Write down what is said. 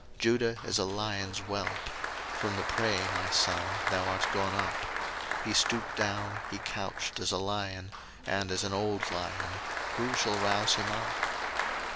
01:049:009 Judah is a lion's whelp: from the prey, my son, thou art gone up: he stooped down, he couched as a lion, and as an old lion; who shall rouse him up?